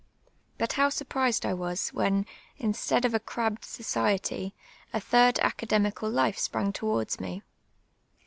lUit how sur])rised I was, when, instead of a crabbed society, a third academical life sj)ran«; towards me.